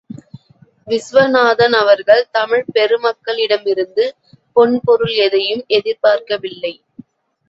விசுவநாதன் அவர்கள் தமிழ்ப் பெருமக்களிடமிருந்து, பொன்பொருள் எதையும் எதிர்பார்க்கவில்லை.